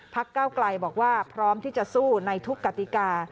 ก้าวไกลบอกว่าพร้อมที่จะสู้ในทุกกติกา